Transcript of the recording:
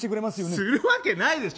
するわけないでしょ！